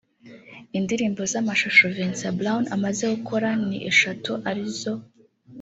Indirimbo z'amashusho Vincent Brown amaze gukora ni eshatu ari zo